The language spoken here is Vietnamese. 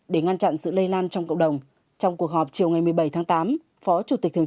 để ngăn chặn sự lây lan trong cộng đồng trong cuộc họp chiều ngày một mươi bảy tháng tám phó chủ tịch thường